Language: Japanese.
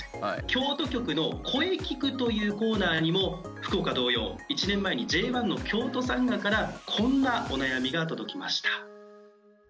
京都局の「こえきく！！」というコーナーにも福岡同様１年前にＪ１の京都サンガからこんなお悩みが届きました。